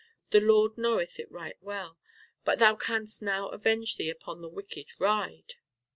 The Lord knoweth it right well. But thou canst now avenge thee upon the wicked. Ride!"